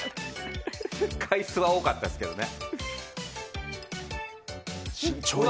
回数は多かったっすけどね。